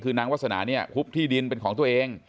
คือนางวาสนาเนี่ยฮุบที่ดินเป็นของตัวเอง